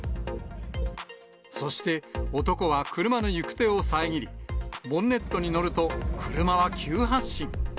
そして男は車の行く手を遮り、ボンネットに乗ると車は急発進。